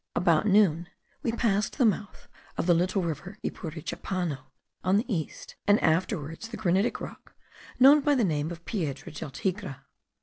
About noon we passed the mouth of the little river Ipurichapano on the east, and afterwards the granitic rock, known by the name of Piedra del Tigre.